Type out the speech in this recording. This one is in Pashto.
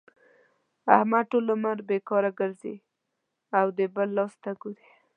احمد ټول عمر بېکاره ګرځي او د بل لاس ته ګوري.